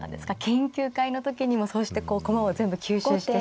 研究会の時にもそうして駒を全部吸収してしまうような。